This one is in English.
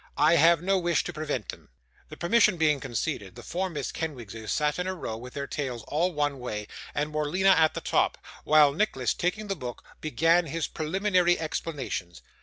'I have no wish to prevent them.' This permission being conceded, the four Miss Kenwigses sat in a row, with their tails all one way, and Morleena at the top: while Nicholas, taking the book, began his preliminary explanations.